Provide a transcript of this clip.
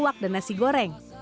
leluak dan nasi goreng